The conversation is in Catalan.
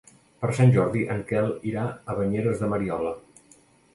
Per Sant Jordi en Quel irà a Banyeres de Mariola.